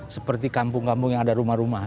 seperti kampung kampung yang ada rumah rumah